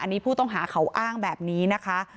อันนี้ผู้ต้องหาเขาอ้างแบบนี้นะคะ